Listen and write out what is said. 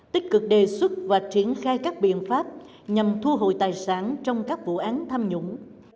tích cực đề xuất và triển khai các biện pháp nhằm thu hồi tài sản trong các vụ án tham nhũng